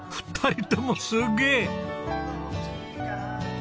２人ともすげえ！